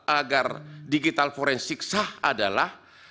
agar digital forensik sah adalah